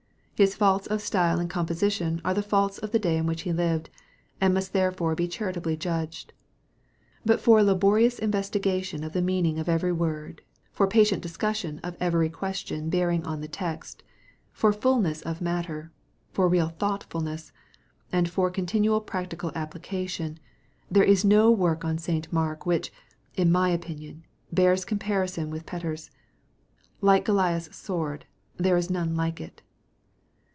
His faults of style and composition are the faults of the day in which he lived, and must therefore be charitably judged. But for laborious investigation of the meaning of every word, for patient discussion of every question bearing on the text, for fulness of matter, for real thoughtfulness, and for continual practical application, there is no work on St. Mark which, in my opinion, bears comparison with Fetter's. Like Goliah's sword, " there is none like it."